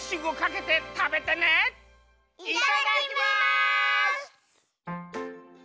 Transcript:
いただきます！